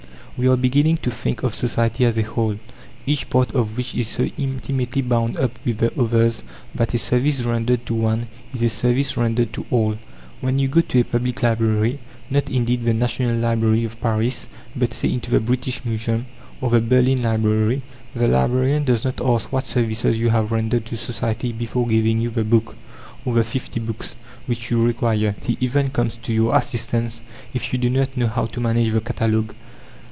We are beginning to think of society as a whole, each part of which is so intimately bound up with the others that a service rendered to one is a service rendered to all. When you go to a public library not indeed the National Library of Paris, but, say, into the British Museum or the Berlin Library the librarian does not ask what services you have rendered to society before giving you the book, or the fifty books, which you require; he even comes to your assistance if you do not know how to manage the catalogue.